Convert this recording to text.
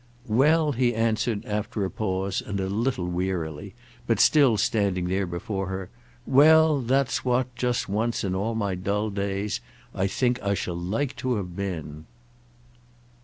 "Well," he answered after a pause and a little wearily, but still standing there before her—"well, that's what, just once in all my dull days, I think I shall like to have been!"